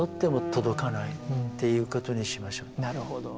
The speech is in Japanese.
なるほど。